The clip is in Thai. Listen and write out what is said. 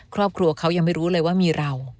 ครอบครัวเขายังไม่รู้เลยว่ามีเรา